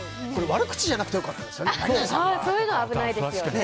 悪口じゃなくて良かったですよね。